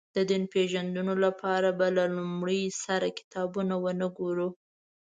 د دین د پېژندلو لپاره به له لومړي سره کتابونه ونه ګورو.